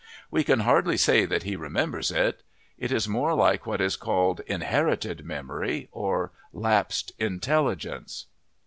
We can hardly say that he remembers it; it is more like what is called "inherited memory" or "lapsed intelligence."